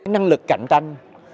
năng lực cạnh tranh